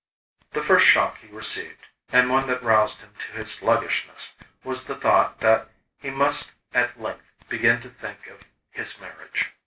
The first shock he received, and one that roused him in his sluggishness, was the thought that he must at length begin to think of his marriage.